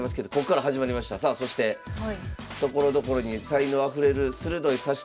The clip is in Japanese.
さあそしてところどころに才能あふれる鋭い指し手。